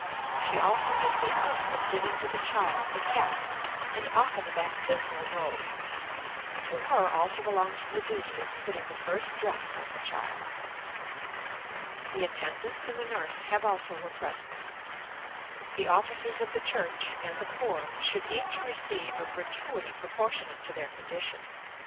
She also has the honor of giving to the child a cap, and often a baptismal robe. To her also belongs the duty of putting the first dress on the child. The attendant and the nurse have also a present. The officers of the church, and the poor, should each receive a gratuity proportionate to their condition.